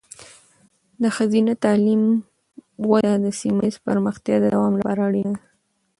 د ښځینه تعلیم وده د سیمه ایزې پرمختیا د دوام لپاره اړینه ده.